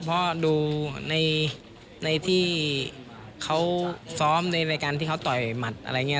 เพราะดูในที่เขาซ้อมในรายการที่เขาต่อยหมัดอะไรอย่างนี้